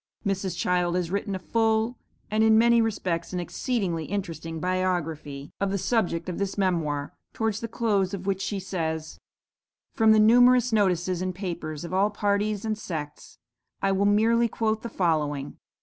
Mrs. Child has written a full, and in many respects, an exceedingly interesting biography of the subject of this memoir, towards the close of which she says: "From the numerous notices in papers of all parties and sects, I will merely quote the following.